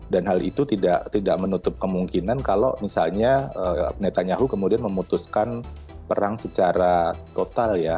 dan hal itu tidak tidak menutup kemungkinan kalau misalnya netanyahu kemudian memutuskan perang secara total ya